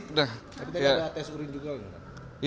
ada tes urin juga ya